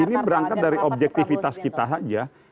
ini berangkat dari objektivitas kita saja